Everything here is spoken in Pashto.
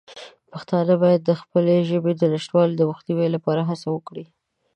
پښتانه باید د خپلې ژبې د نشتوالي د مخنیوي لپاره هڅه وکړي.